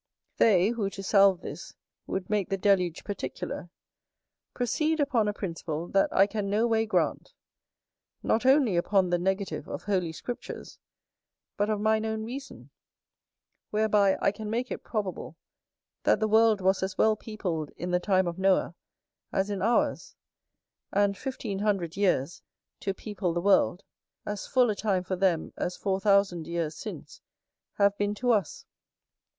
They who, to salve this, would make the deluge particular, proceed upon a principle that I can no way grant; not only upon the negative of Holy Scriptures, but of mine own reason, whereby I can make it probable that the world was as well peopled in the time of Noah as in ours; and fifteen hundred years, to people the world, as full a time for them as four thousand years since have been to us.